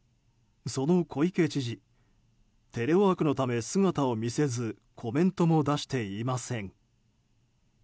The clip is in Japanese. その小池知事、テレワークのため姿を見せずコメントも出していません。